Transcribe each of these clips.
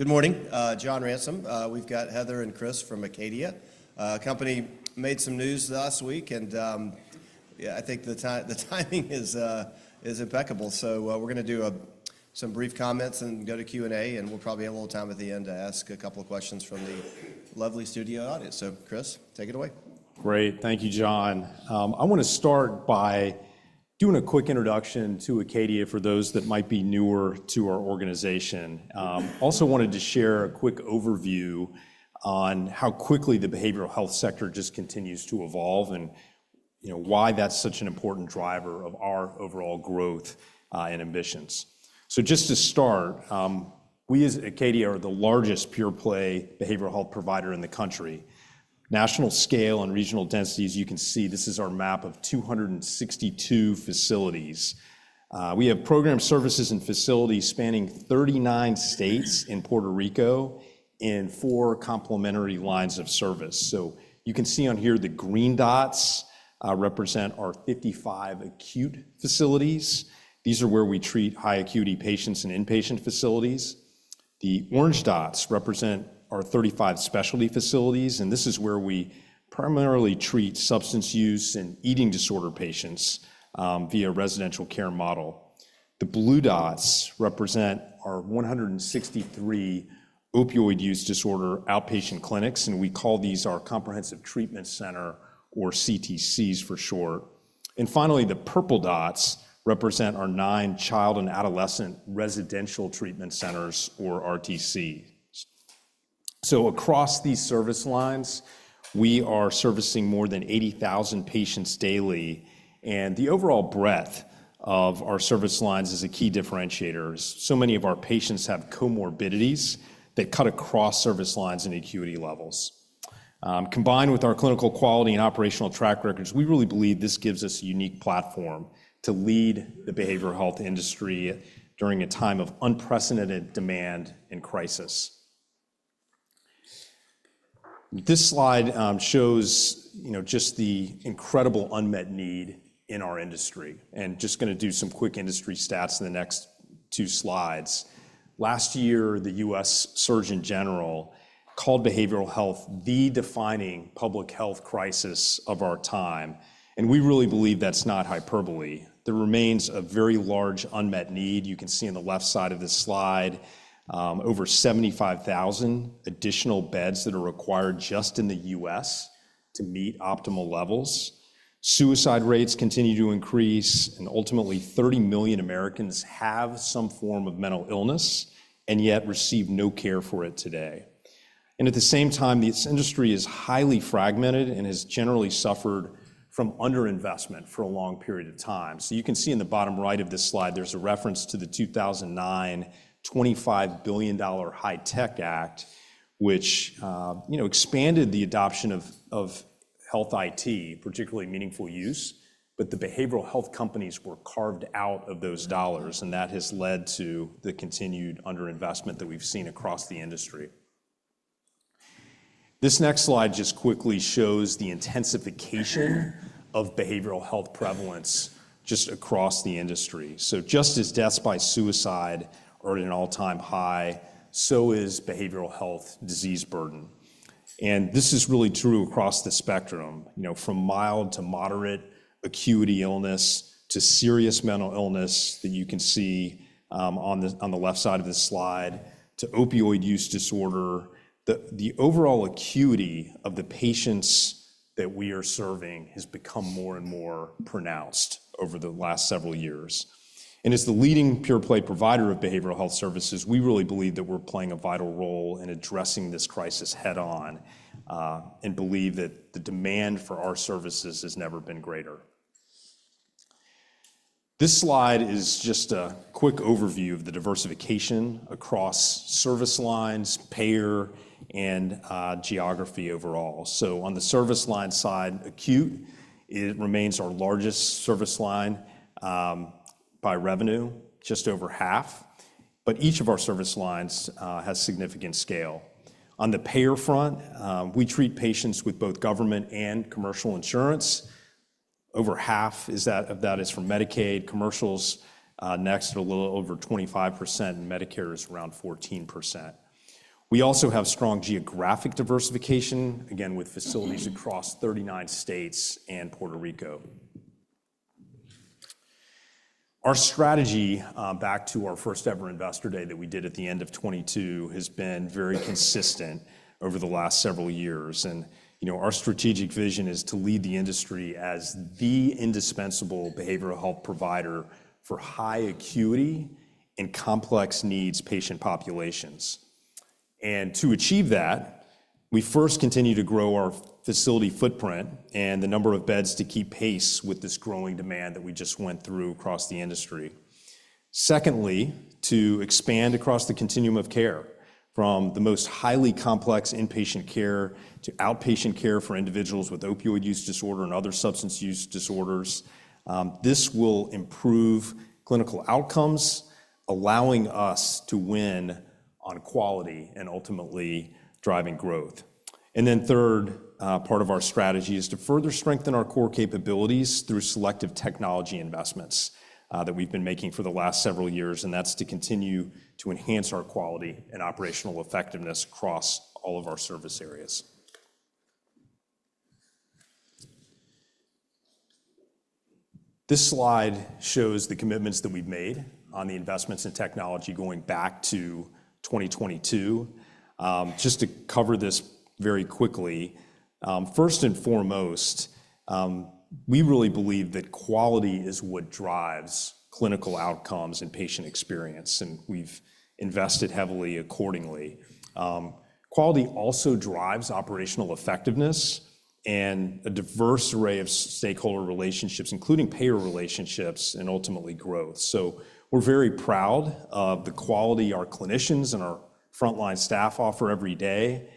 Good morning, John Ransom. We've got Heather and Chris from Acadia. The company made some news last week, and I think the timing is impeccable. So we're going to do some brief comments and go to Q&A, and we'll probably have a little time at the end to ask a couple of questions from the lovely studio audience. So, Chris, take it away. Great. Thank you, John. I want to start by doing a quick introduction to Acadia for those that might be newer to our organization. Also wanted to share a quick overview on how quickly the behavioral health sector just continues to evolve and why that's such an important driver of our overall growth and ambitions. So just to start, we as Acadia are the largest pure-play behavioral health provider in the country. National scale and regional densities, you can see this is our map of 262 facilities. We have program services and facilities spanning 39 states in Puerto Rico in four complementary lines of service. So you can see on here the green dots represent our 55 acute facilities. These are where we treat high acuity patients and inpatient facilities. The orange dots represent our 35 specialty facilities, and this is where we primarily treat substance use and eating disorder patients via a residential care model. The blue dots represent our 163 opioid use disorder outpatient clinics, and we call these our comprehensive treatment center, or CTCs for short. And finally, the purple dots represent our nine child and adolescent residential treatment centers, or RTCs. So across these service lines, we are servicing more than 80,000 patients daily, and the overall breadth of our service lines is a key differentiator. So many of our patients have comorbidities that cut across service lines and acuity levels. Combined with our clinical quality and operational track records, we really believe this gives us a unique platform to lead the behavioral health industry during a time of unprecedented demand and crisis. This slide shows just the incredible unmet need in our industry, and just going to do some quick industry stats in the next two slides. Last year, the U.S. Surgeon General called behavioral health the defining public health crisis of our time, and we really believe that's not hyperbole. There remains a very large unmet need. You can see on the left side of this slide over 75,000 additional beds that are required just in the U.S. to meet optimal levels. Suicide rates continue to increase, and ultimately 30 million Americans have some form of mental illness and yet receive no care for it today, and at the same time, this industry is highly fragmented and has generally suffered from underinvestment for a long period of time. You can see in the bottom right of this slide, there's a reference to the 2009 $25 billion HITECH Act, which expanded the adoption of health IT, particularly Meaningful Use, but the behavioral health companies were carved out of those dollars, and that has led to the continued underinvestment that we've seen across the industry. This next slide just quickly shows the intensification of behavioral health prevalence just across the industry. Just as deaths by suicide are at an all-time high, so is behavioral health disease burden. And this is really true across the spectrum, from mild to moderate acuity illness to serious mental illness that you can see on the left side of this slide, to opioid use disorder. The overall acuity of the patients that we are serving has become more and more pronounced over the last several years. And as the leading pure-play provider of behavioral health services, we really believe that we're playing a vital role in addressing this crisis head-on and believe that the demand for our services has never been greater. This slide is just a quick overview of the diversification across service lines, payer, and geography overall. So on the service line side, acute, it remains our largest service line by revenue, just over half, but each of our service lines has significant scale. On the payer front, we treat patients with both government and commercial insurance. Over half of that is for Medicaid, commercial next at a little over 25%, and Medicare is around 14%. We also have strong geographic diversification, again, with facilities across 39 states and Puerto Rico. Our strategy back to our first ever Investor Day that we did at the end of 2022 has been very consistent over the last several years. And our strategic vision is to lead the industry as the indispensable behavioral health provider for high acuity and complex needs patient populations. And to achieve that, we first continue to grow our facility footprint and the number of beds to keep pace with this growing demand that we just went through across the industry. Secondly, to expand across the continuum of care from the most highly complex inpatient care to outpatient care for individuals with opioid use disorder and other substance use disorders. This will improve clinical outcomes, allowing us to win on quality and ultimately driving growth. And then third, part of our strategy is to further strengthen our core capabilities through selective technology investments that we've been making for the last several years, and that's to continue to enhance our quality and operational effectiveness across all of our service areas. This slide shows the commitments that we've made on the investments in technology going back to 2022. Just to cover this very quickly, first and foremost, we really believe that quality is what drives clinical outcomes and patient experience, and we've invested heavily accordingly. Quality also drives operational effectiveness and a diverse array of stakeholder relationships, including payer relationships and ultimately growth. So we're very proud of the quality our clinicians and our frontline staff offer every day.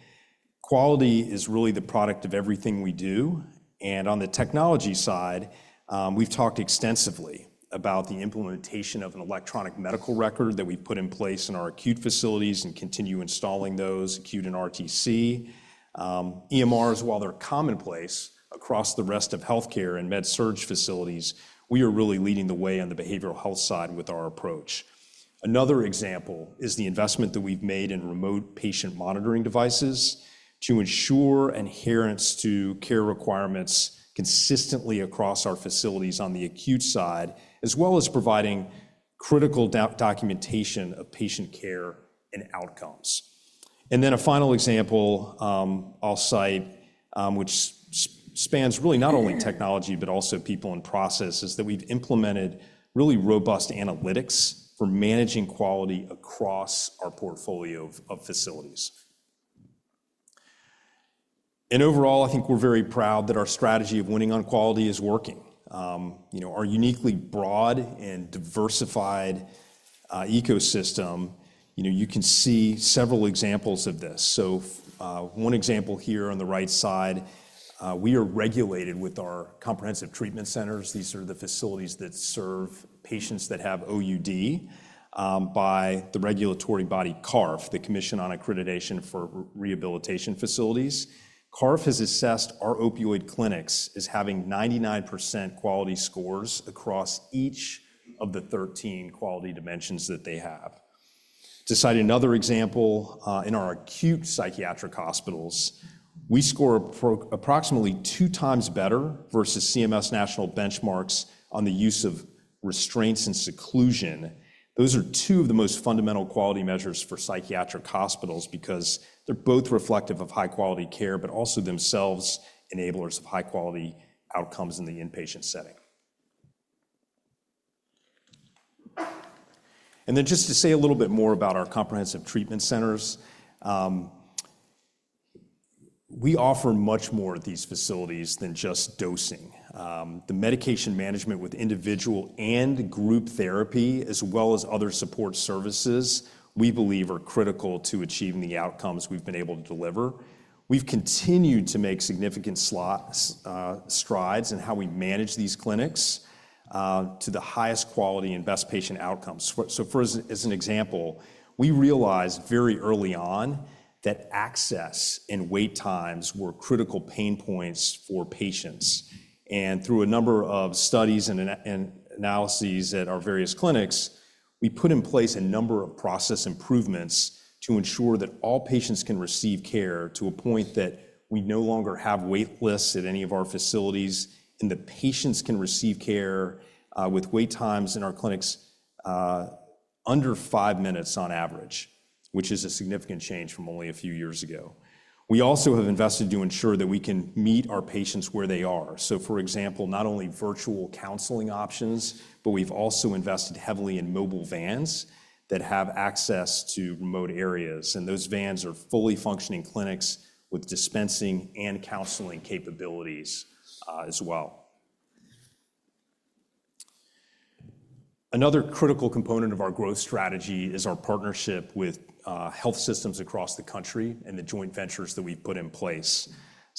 Quality is really the product of everything we do. On the technology side, we've talked extensively about the implementation of an electronic medical record that we've put in place in our acute facilities and continue installing those acute and RTC EMRs, while they're commonplace across the rest of healthcare and med-surg facilities. We are really leading the way on the behavioral health side with our approach. Another example is the investment that we've made in remote patient monitoring devices to ensure adherence to care requirements consistently across our facilities on the acute side, as well as providing critical documentation of patient care and outcomes. And then a final example I'll cite, which spans really not only technology, but also people and process, is that we've implemented really robust analytics for managing quality across our portfolio of facilities. And overall, I think we're very proud that our strategy of winning on quality is working. Our uniquely broad and diversified ecosystem, you can see several examples of this. So one example here on the right side, we are regulated with our comprehensive treatment centers. These are the facilities that serve patients that have OUD by the regulatory body CARF, the Commission on Accreditation for Rehabilitation Facilities. CARF has assessed our opioid clinics as having 99% quality scores across each of the 13 quality dimensions that they have. To cite another example, in our acute psychiatric hospitals, we score approximately two times better versus CMS national benchmarks on the use of restraints and seclusion. Those are two of the most fundamental quality measures for psychiatric hospitals because they're both reflective of high-quality care, but also themselves enablers of high-quality outcomes in the inpatient setting. And then just to say a little bit more about our comprehensive treatment centers, we offer much more at these facilities than just dosing. The medication management with individual and group therapy, as well as other support services, we believe are critical to achieving the outcomes we've been able to deliver. We've continued to make significant strides in how we manage these clinics to the highest quality and best patient outcomes. So as an example, we realized very early on that access and wait times were critical pain points for patients. And through a number of studies and analyses at our various clinics, we put in place a number of process improvements to ensure that all patients can receive care to a point that we no longer have waitlists at any of our facilities and the patients can receive care with wait times in our clinics under five minutes on average, which is a significant change from only a few years ago. We also have invested to ensure that we can meet our patients where they are. So for example, not only virtual counseling options, but we've also invested heavily in mobile vans that have access to remote areas. And those vans are fully functioning clinics with dispensing and counseling capabilities as well. Another critical component of our growth strategy is our partnership with health systems across the country and the joint ventures that we've put in place.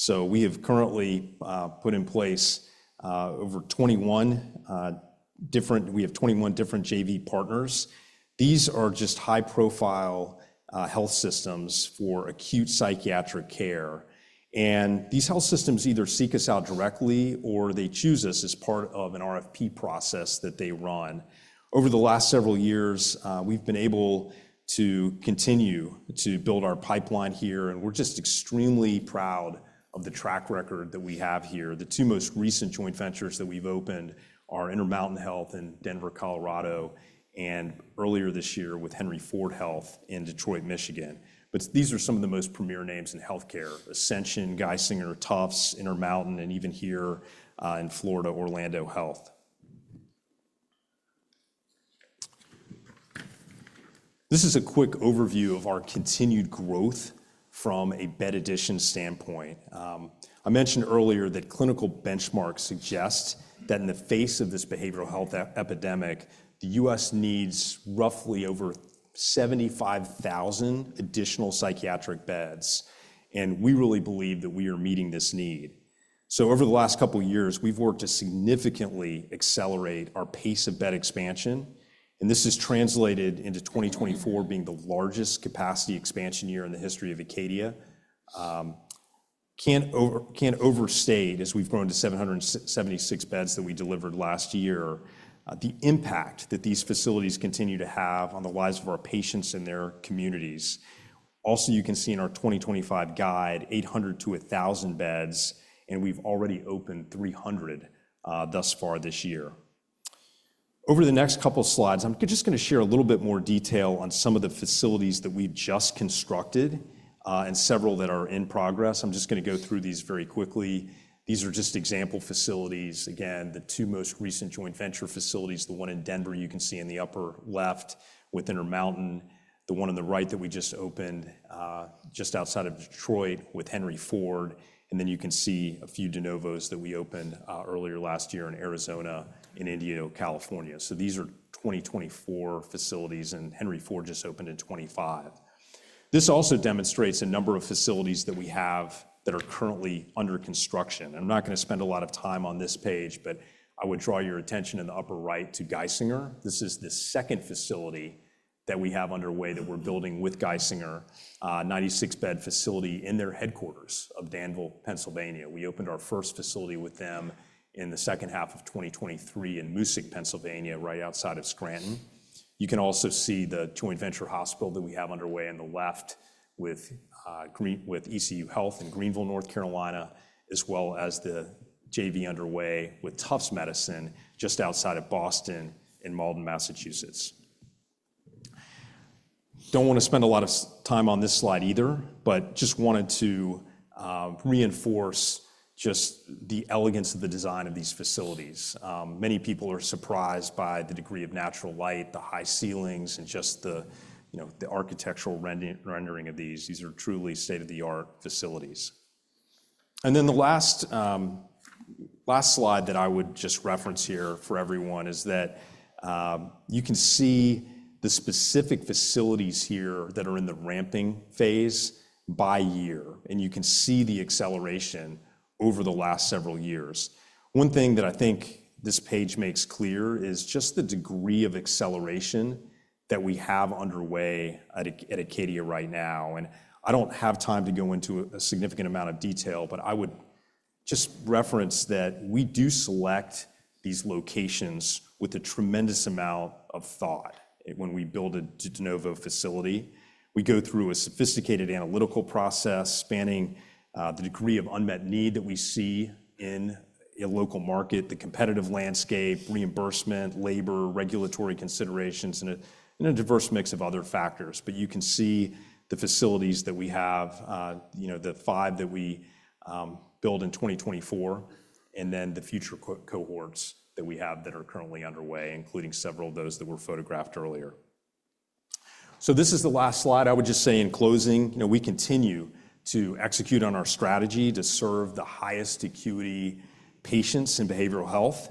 We have currently put in place 21 different JV partners. These are just high-profile health systems for acute psychiatric care. These health systems either seek us out directly or they choose us as part of an RFP process that they run. Over the last several years, we've been able to continue to build our pipeline here, and we're just extremely proud of the track record that we have here. The two most recent joint ventures that we've opened are Intermountain Health in Denver, Colorado, and earlier this year with Henry Ford Health in Detroit, Michigan. These are some of the most premier names in healthcare: Ascension, Geisinger, Tufts, Intermountain, and even here in Florida, Orlando Health. This is a quick overview of our continued growth from a bed addition standpoint. I mentioned earlier that clinical benchmarks suggest that in the face of this behavioral health epidemic, the U.S. needs roughly over 75,000 additional psychiatric beds, and we really believe that we are meeting this need. So over the last couple of years, we've worked to significantly accelerate our pace of bed expansion, and this is translated into 2024 being the largest capacity expansion year in the history of Acadia. Can't overstate, as we've grown to 776 beds that we delivered last year, the impact that these facilities continue to have on the lives of our patients and their communities. Also, you can see in our 2025 guide, 800-1,000 beds, and we've already opened 300 thus far this year. Over the next couple of slides, I'm just going to share a little bit more detail on some of the facilities that we've just constructed and several that are in progress. I'm just going to go through these very quickly. These are just example facilities. Again, the two most recent joint venture facilities, the one in Denver you can see in the upper left with Intermountain, the one on the right that we just opened just outside of Detroit with Henry Ford, and then you can see a few de novos that we opened earlier last year in Arizona and Indio, California. So these are 2024 facilities, and Henry Ford just opened in 2025. This also demonstrates a number of facilities that we have that are currently under construction. I'm not going to spend a lot of time on this page, but I would draw your attention in the upper right to Geisinger. This is the second facility that we have underway that we're building with Geisinger, a 96-bed facility in their headquarters of Danville, Pennsylvania. We opened our first facility with them in the second half of 2023 in Moosic, Pennsylvania, right outside of Scranton. You can also see the joint venture hospital that we have underway on the left with ECU Health in Greenville, North Carolina, as well as the JV underway with Tufts Medicine just outside of Boston in Malden, Massachusetts. Don't want to spend a lot of time on this slide either, but just wanted to reinforce just the elegance of the design of these facilities. Many people are surprised by the degree of natural light, the high ceilings, and just the architectural rendering of these. These are truly state-of-the-art facilities. And then the last slide that I would just reference here for everyone is that you can see the specific facilities here that are in the ramping phase by year, and you can see the acceleration over the last several years. One thing that I think this page makes clear is just the degree of acceleration that we have underway at Acadia right now. And I don't have time to go into a significant amount of detail, but I would just reference that we do select these locations with a tremendous amount of thought when we build a de novo facility. We go through a sophisticated analytical process spanning the degree of unmet need that we see in a local market, the competitive landscape, reimbursement, labor, regulatory considerations, and a diverse mix of other factors. But you can see the facilities that we have, the five that we build in 2024, and then the future cohorts that we have that are currently underway, including several of those that were photographed earlier. So this is the last slide. I would just say in closing, we continue to execute on our strategy to serve the highest acuity patients in behavioral health.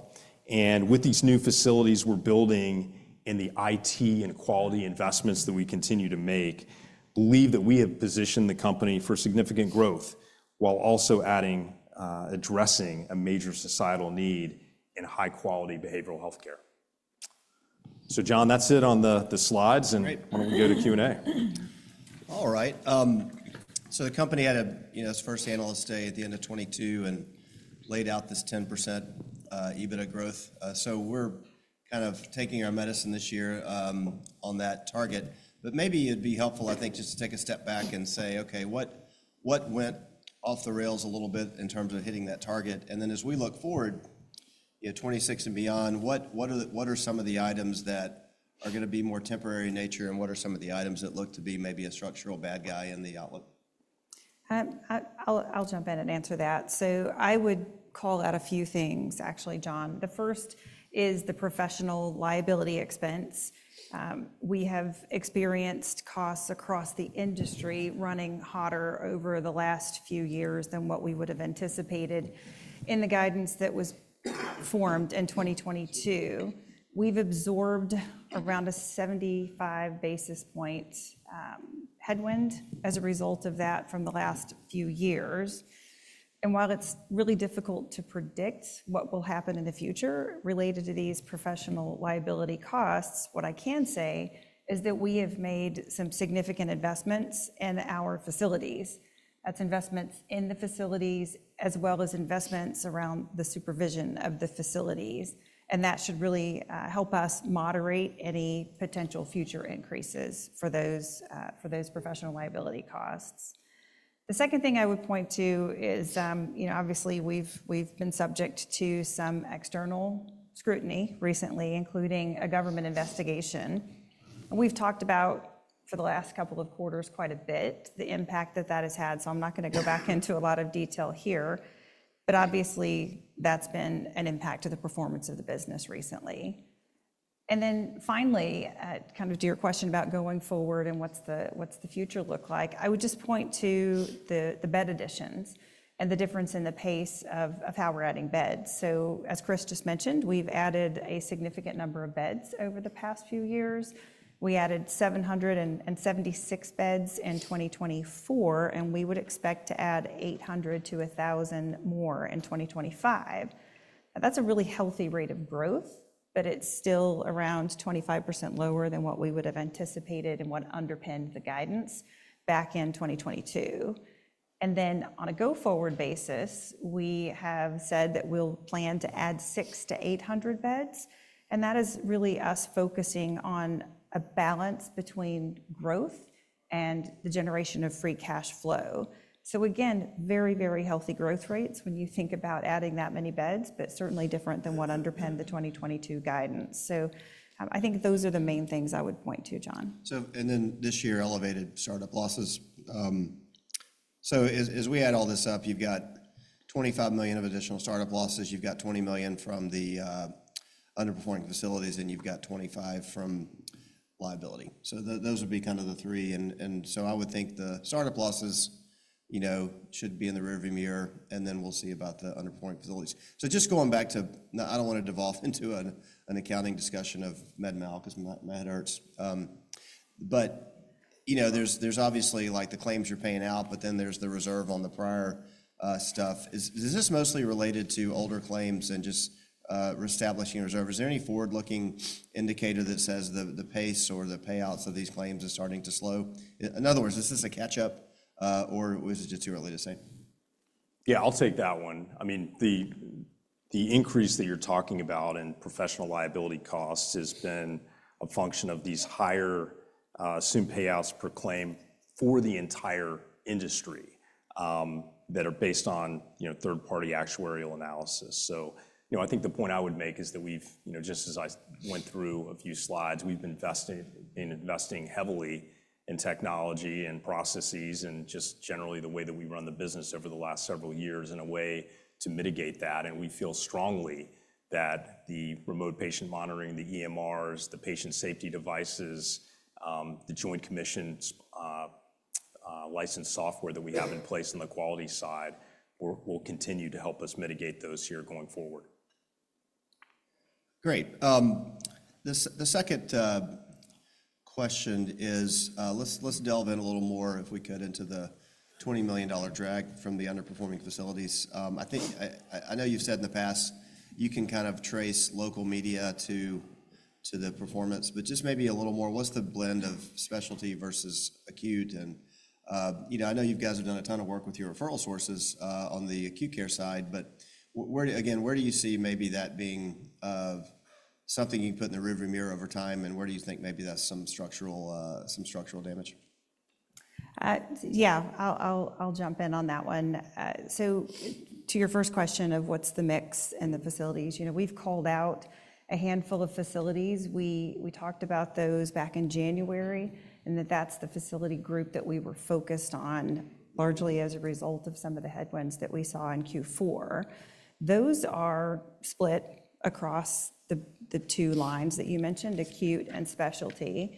And with these new facilities we're building and the IT and quality investments that we continue to make, believe that we have positioned the company for significant growth while also addressing a major societal need in high-quality behavioral healthcare. So John, that's it on the slides, and we can go to Q&A. All right, so the company had its first Analyst Day at the end of 2022 and laid out this 10% EBITDA growth. We're kind of taking our medicine this year on that target. But maybe it'd be helpful, I think, just to take a step back and say, okay, what went off the rails a little bit in terms of hitting that target? And then as we look forward, 2026 and beyond, what are some of the items that are going to be more temporary in nature, and what are some of the items that look to be maybe a structural bad guy in the outlook? I'll jump in and answer that. So I would call out a few things, actually, John. The first is the professional liability expense. We have experienced costs across the industry running hotter over the last few years than what we would have anticipated. In the guidance that was formed in 2022, we've absorbed around a 75 basis point headwind as a result of that from the last few years. And while it's really difficult to predict what will happen in the future related to these professional liability costs, what I can say is that we have made some significant investments in our facilities. That's investments in the facilities as well as investments around the supervision of the facilities. And that should really help us moderate any potential future increases for those professional liability costs. The second thing I would point to is, obviously, we've been subject to some external scrutiny recently, including a government investigation, and we've talked about for the last couple of quarters quite a bit the impact that that has had, so I'm not going to go back into a lot of detail here, but obviously, that's been an impact to the performance of the business recently, and then finally, kind of to your question about going forward and what's the future look like, I would just point to the bed additions and the difference in the pace of how we're adding beds, so as Chris just mentioned, we've added a significant number of beds over the past few years. We added 776 beds in 2024, and we would expect to add 800-1,000 more in 2025. That's a really healthy rate of growth, but it's still around 25% lower than what we would have anticipated and what underpinned the guidance back in 2022. And then on a go forward basis, we have said that we'll plan to add 600-800 beds. And that is really us focusing on a balance between growth and the generation of free cash flow. So again, very, very healthy growth rates when you think about adding that many beds, but certainly different than what underpinned the 2022 guidance. So I think those are the main things I would point to, John. And then this year, elevated startup losses. So as we add all this up, you've got $25 million of additional startup losses. You've got $20 million from the underperforming facilities, and you've got $25 million from liability. So those would be kind of the three. And so I would think the startup losses should be in the rearview mirror, and then we'll see about the underperforming facilities. So just going back to, I don't want to devolve into an accounting discussion of med mal because my head hurts. But there's obviously the claims you're paying out, but then there's the reserve on the prior stuff. Is this mostly related to older claims and just reestablishing reserve? Is there any forward-looking indicator that says the pace or the payouts of these claims are starting to slow? In other words, is this a catch-up, or was it just too early to say? Yeah, I'll take that one. I mean, the increase that you're talking about in professional liability costs has been a function of these higher settlement payouts projected for the entire industry that are based on third-party actuarial analysis. So I think the point I would make is that we've, just as I went through a few slides, we've been investing heavily in technology and processes and just generally the way that we run the business over the last several years in a way to mitigate that. And we feel strongly that the remote patient monitoring, the EMRs, the patient safety devices, the Joint Commission's licensed software that we have in place on the quality side will continue to help us mitigate those here going forward. Great. The second question is, let's delve in a little more if we could into the $20 million drag from the underperforming facilities. I know you've said in the past you can kind of trace local media to the performance, but just maybe a little more, what's the blend of specialty versus acute? And I know you guys have done a ton of work with your referral sources on the acute care side, but again, where do you see maybe that being something you can put in the rearview mirror over time? And where do you think maybe that's some structural damage? Yeah, I'll jump in on that one. So to your first question of what's the mix in the facilities, we've called out a handful of facilities. We talked about those back in January and that's the facility group that we were focused on largely as a result of some of the headwinds that we saw in Q4. Those are split across the two lines that you mentioned, acute and specialty.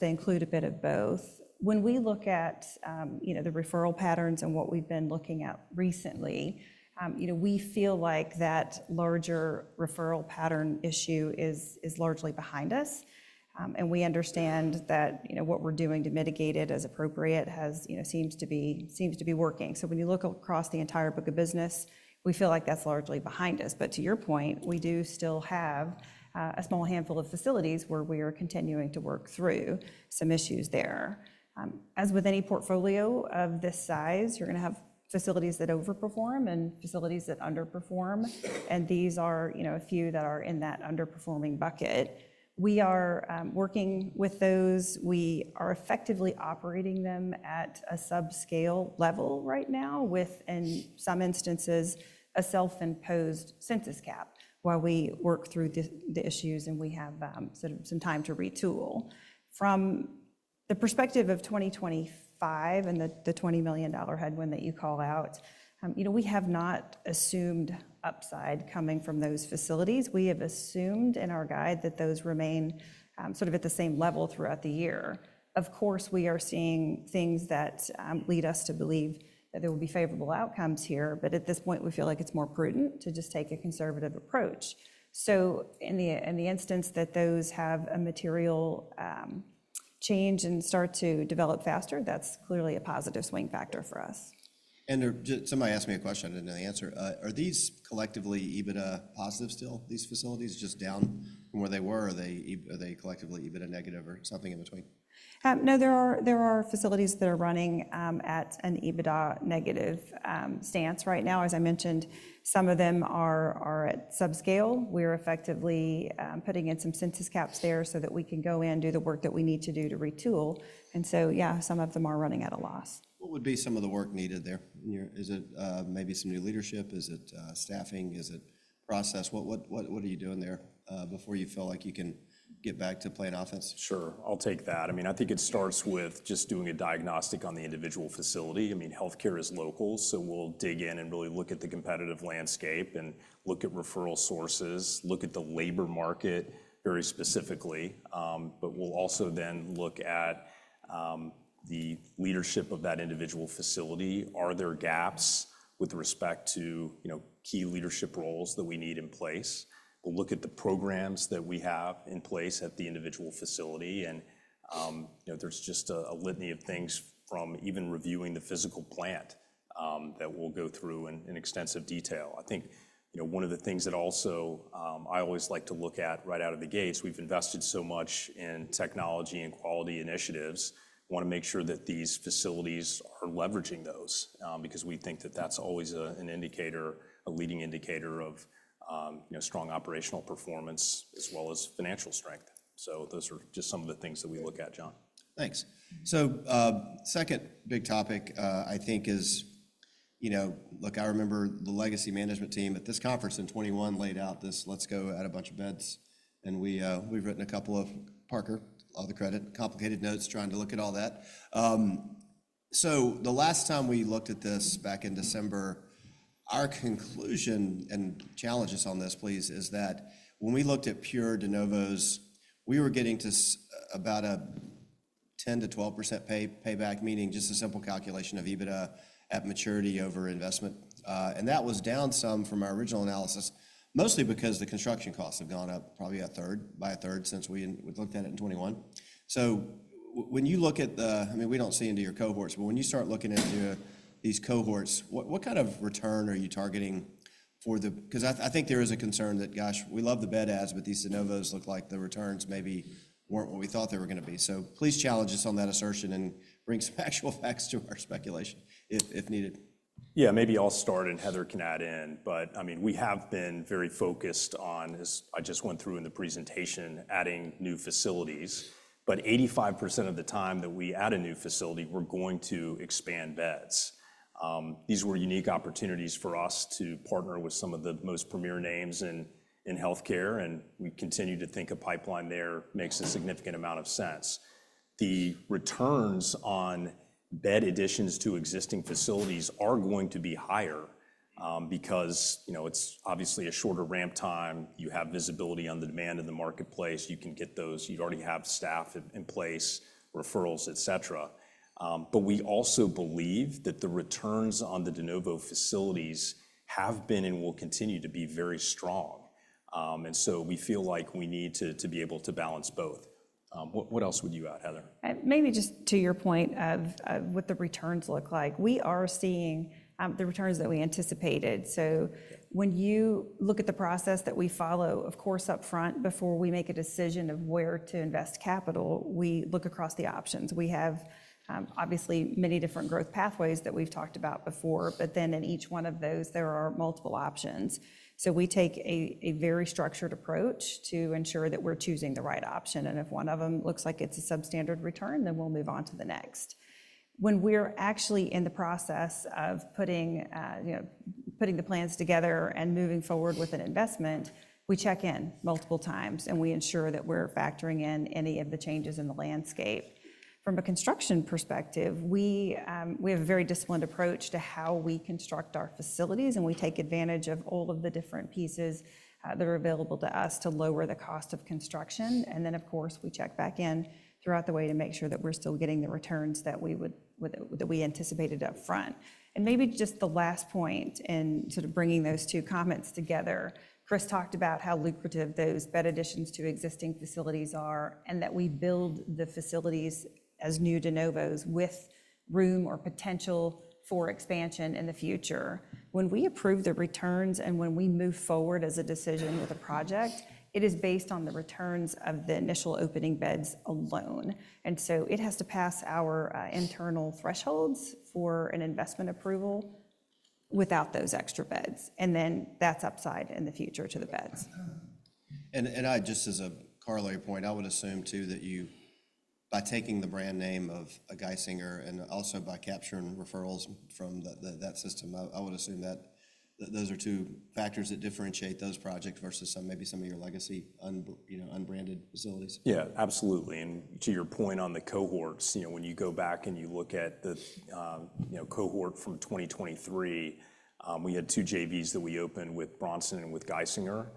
They include a bit of both. When we look at the referral patterns and what we've been looking at recently, we feel like that larger referral pattern issue is largely behind us. And we understand that what we're doing to mitigate it as appropriate seems to be working. So when you look across the entire book of business, we feel like that's largely behind us. But to your point, we do still have a small handful of facilities where we are continuing to work through some issues there. As with any portfolio of this size, you're going to have facilities that overperform and facilities that underperform. And these are a few that are in that underperforming bucket. We are working with those. We are effectively operating them at a subscale level right now with, in some instances, a self-imposed census cap while we work through the issues and we have some time to retool. From the perspective of 2025 and the $20 million headwind that you call out, we have not assumed upside coming from those facilities. We have assumed in our guide that those remain sort of at the same level throughout the year. Of course, we are seeing things that lead us to believe that there will be favorable outcomes here, but at this point, we feel like it's more prudent to just take a conservative approach. So in the instance that those have a material change and start to develop faster, that's clearly a positive swing factor for us. Somebody asked me a question. I didn't know the answer. Are these collectively EBITDA positive still, these facilities, just down from where they were? Are they collectively EBITDA negative or something in between? No, there are facilities that are running at an EBITDA negative stance right now. As I mentioned, some of them are at subscale. We are effectively putting in some census caps there so that we can go in, do the work that we need to do to retool, and so, yeah, some of them are running at a loss. What would be some of the work needed there? Is it maybe some new leadership? Is it staffing? Is it process? What are you doing there before you feel like you can get back to playing offense? Sure. I'll take that. I mean, I think it starts with just doing a diagnostic on the individual facility. I mean, healthcare is local, so we'll dig in and really look at the competitive landscape and look at referral sources, look at the labor market very specifically. But we'll also then look at the leadership of that individual facility. Are there gaps with respect to key leadership roles that we need in place? We'll look at the programs that we have in place at the individual facility. And there's just a litany of things from even reviewing the physical plant that we'll go through in extensive detail. I think one of the things that also I always like to look at right out of the gate. We've invested so much in technology and quality initiatives. We want to make sure that these facilities are leveraging those because we think that that's always a leading indicator of strong operational performance as well as financial strength. So those are just some of the things that we look at, John. Thanks. So second big topic, I think, is, look, I remember the legacy management team at this conference in 2021 laid out this, let's go add a bunch of beds. And we've written a couple of papers, a lot of the credible complicated notes, trying to look at all that. So the last time we looked at this back in December, our conclusion and challenges on this is that when we looked at pure De Novos, we were getting to about a 10%-12% payback, meaning just a simple calculation of EBITDA at maturity over investment. And that was down some from our original analysis, mostly because the construction costs have gone up probably by a third since we looked at it in 2021. So when you look at the, I mean, we don't see into your cohorts, but when you start looking into these cohorts, what kind of return are you targeting for the, because I think there is a concern that, gosh, we love the bed adds, but these de Novos look like the returns maybe weren't what we thought they were going to be. So please challenge us on that assertion and bring some actual facts to our speculation if needed. Yeah, maybe I'll start and Heather can add in. But I mean, we have been very focused on, as I just went through in the presentation, adding new facilities. But 85% of the time that we add a new facility, we're going to expand beds. These were unique opportunities for us to partner with some of the most premier names in healthcare, and we continue to think a pipeline there makes a significant amount of sense. The returns on bed additions to existing facilities are going to be higher because it's obviously a shorter ramp time. You have visibility on the demand in the marketplace. You can get those. You already have staff in place, referrals, et cetera. But we also believe that the returns on the De Novo facilities have been and will continue to be very strong. And so we feel like we need to be able to balance both. What else would you add, Heather? Maybe just to your point of what the returns look like. We are seeing the returns that we anticipated. So when you look at the process that we follow, of course, upfront, before we make a decision of where to invest capital, we look across the options. We have obviously many different growth pathways that we've talked about before, but then in each one of those, there are multiple options. So we take a very structured approach to ensure that we're choosing the right option. And if one of them looks like it's a substandard return, then we'll move on to the next. When we're actually in the process of putting the plans together and moving forward with an investment, we check in multiple times and we ensure that we're factoring in any of the changes in the landscape. From a construction perspective, we have a very disciplined approach to how we construct our facilities, and we take advantage of all of the different pieces that are available to us to lower the cost of construction. Then, of course, we check back in throughout the way to make sure that we're still getting the returns that we anticipated upfront. Maybe just the last point in sort of bringing those two comments together, Chris talked about how lucrative those bed additions to existing facilities are and that we build the facilities as new de Novos with room or potential for expansion in the future. When we approve the returns and when we move forward as a decision with a project, it is based on the returns of the initial opening beds alone. And so it has to pass our internal thresholds for an investment approval without those extra beds. And then that's upside in the future to the beds. And just as a corollary point, I would assume too that you, by taking the brand name of a Geisinger and also by capturing referrals from that system, I would assume that those are two factors that differentiate those projects versus maybe some of your legacy unbranded facilities. Yeah, absolutely. And to your point on the cohorts, when you go back and you look at the cohort from 2023, we had two JVs that we opened with Bronson and with Geisinger.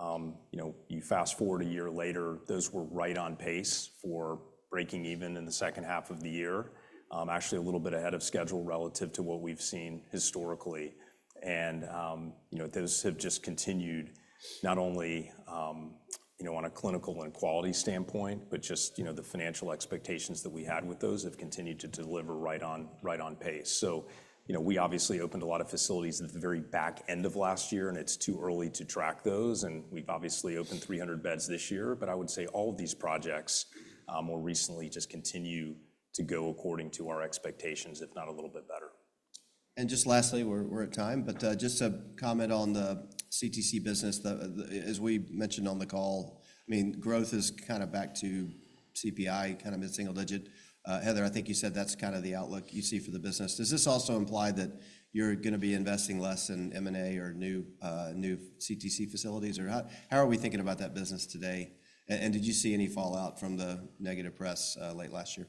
You fast forward a year later, those were right on pace for breaking even in the second half of the year, actually a little bit ahead of schedule relative to what we've seen historically. And those have just continued not only on a clinical and quality standpoint, but just the financial expectations that we had with those have continued to deliver right on pace. So we obviously opened a lot of facilities at the very back end of last year, and it's too early to track those. And we've obviously opened 300 beds this year, but I would say all of these projects more recently just continue to go according to our expectations, if not a little bit better. And just lastly, we're at time, but just to comment on the CTC business, as we mentioned on the call. I mean, growth is kind of back to CPI, kind of a single digit. Heather, I think you said that's kind of the outlook you see for the business. Does this also imply that you're going to be investing less in M&A or new CTC facilities or how are we thinking about that business today? And did you see any fallout from the negative press late last year?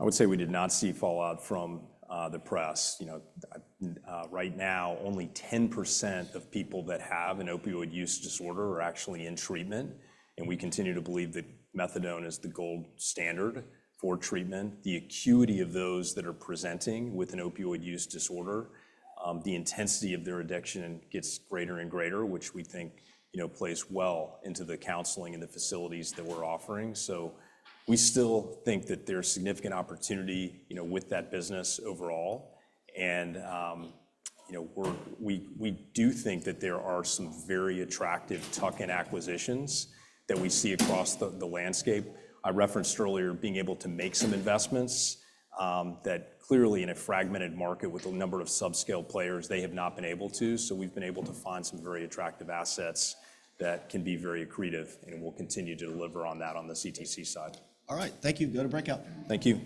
I would say we did not see fallout from the press. Right now, only 10% of people that have an opioid use disorder are actually in treatment. And we continue to believe that methadone is the gold standard for treatment. The acuity of those that are presenting with an opioid use disorder, the intensity of their addiction gets greater and greater, which we think plays well into the counseling and the facilities that we're offering. So we still think that there's significant opportunity with that business overall. And we do think that there are some very attractive tuck-in acquisitions that we see across the landscape. I referenced earlier being able to make some investments that clearly in a fragmented market with a number of subscale players, they have not been able to. So we've been able to find some very attractive assets that can be very accretive and will continue to deliver on that on the CTC side. All right. Thank you. Go to breakout. Thank you.